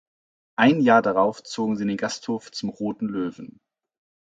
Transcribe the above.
Ein Jahr darauf zogen sie in den Gasthof „Zum roten Löwen“.